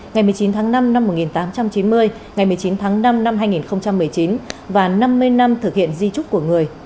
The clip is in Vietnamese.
ngày một mươi chín tháng năm năm một nghìn tám trăm chín mươi ngày một mươi chín tháng năm năm hai nghìn một mươi chín và năm mươi năm thực hiện di trúc của người